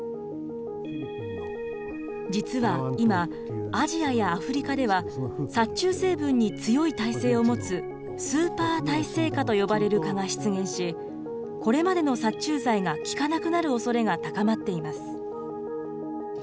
実は今、アジアやアフリカでは、殺虫成分に強い耐性を持つスーパー耐性蚊と呼ばれる蚊が出現し、これまでの殺虫剤が効かなくなるおそれが高まっています。